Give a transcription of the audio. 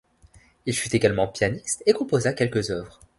Il fut également pianiste et composa quelques œuvres.